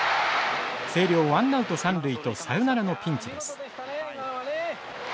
星稜ワンナウト三塁とサヨナラのピンチです。